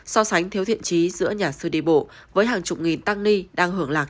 so sánh thiếu thiện trí giữa nhà sư đi bộ với hàng chục nghìn tăng ni đang hưởng lạc